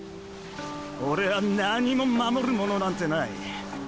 俺は何も守るものなんてない！